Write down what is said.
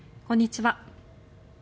こんにちは。